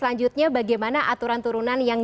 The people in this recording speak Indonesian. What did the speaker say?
selanjutnya bagaimana aturan turunan yang